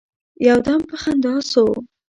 يو دم په خندا سو.